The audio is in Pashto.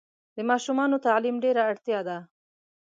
د ماشومانو تعلیم ډېره اړتیا ده.